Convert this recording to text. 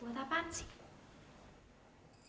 buat apaan sih